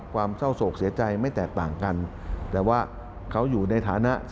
ความเศร้าโศกเสียใจไม่แตกต่างกันแต่ว่าเขาอยู่ในฐานะ